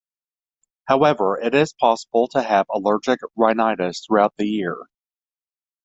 However, it is possible to have allergic rhinitis throughout the year.